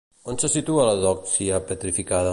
On se situa la Dochia petrificada?